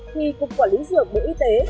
khi cục quản lý dược bộ y tế